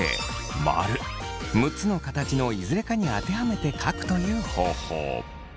丸６つ形のいずれかに当てはめて書くという方法。